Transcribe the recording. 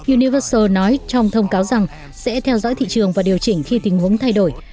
universal nói trong thông cáo rằng sẽ theo dõi thị trường và điều chỉnh khi tình huống thay đổi